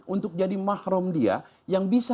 untuk jadi mahrum dia yang bisa